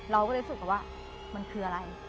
เราก็เลยรู้สึกว่ามันคืออะไร